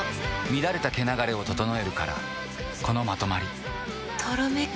乱れた毛流れを整えるからこのまとまりとろめく。